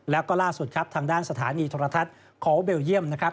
แล้วก็ล่าสุดครับทางด้านสถานีโทรทัศน์ของเบลเยี่ยมนะครับ